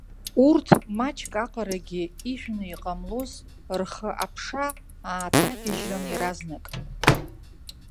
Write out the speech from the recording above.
Урҭ маҷк аҟарагьы ыжәны иҟамлоз, рхы аԥша ааҭагьежьрын иаразнак.